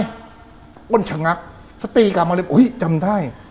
อ้นชะงักสติกลับมาเลยอุ้ยจำได้